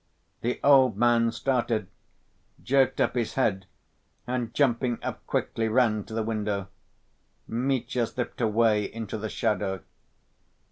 The old man started, jerked up his head, and, jumping up quickly, ran to the window. Mitya slipped away into the shadow.